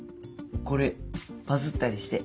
これバズったりして。